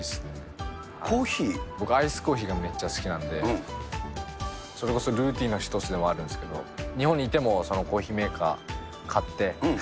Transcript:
僕、アイスコーヒーがめっちゃ好きなんで、それこそルーティーンの一つでもあるんですけれども、日本にいてもコーヒーメーカー買って。